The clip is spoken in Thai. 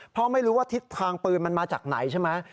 เพราะไม่รู้ว่าทิศทางปืนมันมาจากไหนใช่ไหม